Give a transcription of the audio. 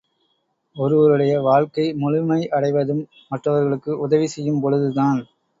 ஒருவருடைய வாழ்க்கை முழுமை அடைவதும், மற்றவர்களுக்கு உதவி செய்யும் பொழுதுதான்.